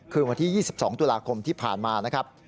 คือวันที่๒๒ตุลาคมที่ผ่านมานะครับ